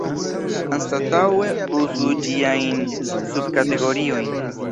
Anstataŭe uzu ĝiajn subkategoriojn.